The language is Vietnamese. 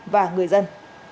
và người dân